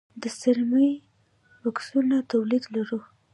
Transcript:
د څرمي بکسونو تولید لرو؟